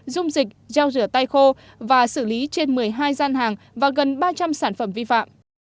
dung dịch dao rửa tay khô và xử lý trên một mươi hai gian hàng và gần ba trăm linh sản phẩm vi phạm